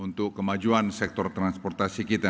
untuk kemajuan sektor transportasi kita